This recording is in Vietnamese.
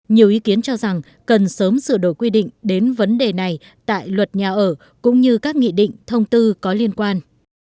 nhiều ý kiến cho rằng cần sớm sửa đổi quy định đến vấn đề này tại luật nhà ở cũng như các nghị định thông tư có liên quan